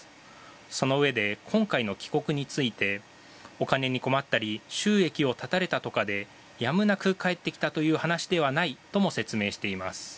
そのうえで今回の帰国についてお金に困ったり収益を絶たれたとかでやむなく帰ってきたという話ではないとも説明しています。